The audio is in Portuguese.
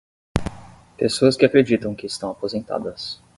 Pessoas que acreditam que estão aposentadas.